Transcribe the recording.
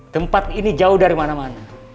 tempat ini jauh dari mana mana